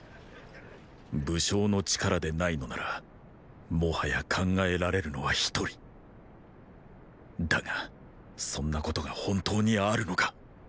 武将の力でないのならもはや考えられるのは一人だがそんなことが本当にあるのか？